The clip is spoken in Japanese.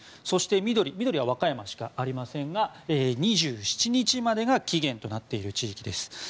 そして緑は和歌山しかありませんが２７日までが期限となっている地域です。